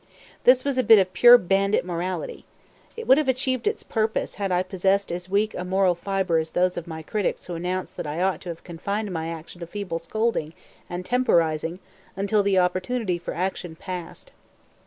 This was a bit of pure bandit morality. It would have achieved its purpose had I possessed as weak moral fiber as those of my critics who announced that I ought to have confined my action to feeble scolding and temporizing until the opportunity for action passed.